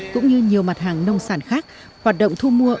cũng như nhiều mặt hàng nông sản khác hoạt động thu mua